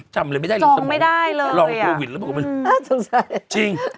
จำเลยไม่ได้จองไม่ได้เลยอ่ะลองโควิดแล้วบอกว่าจริง